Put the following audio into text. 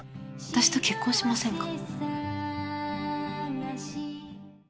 私と結婚しませんか。